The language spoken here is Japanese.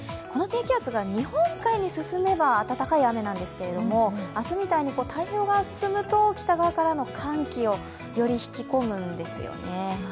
この低気圧が日本海に進めば温かい雨なんですが明日みたいに太平洋側を進むと北側からの寒気をより引き込むんですよね。